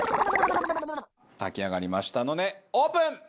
炊き上がりましたのでオープン！